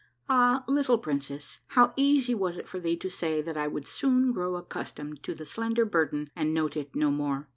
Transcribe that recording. Ah, little princess, how easy was it for thee to say that I would soon grow accustomed to the slender burden and note it no more